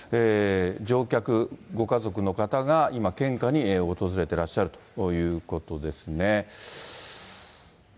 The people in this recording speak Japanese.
乗客ご家族方が今、献花に訪れてらっしゃるということですね。